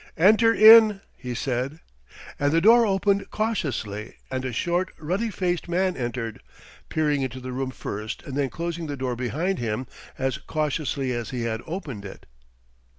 "Enter in," he said. And the door opened cautiously and a short, ruddy faced man entered, peering into the room first and then closing the door behind him as cautiously as he had opened it.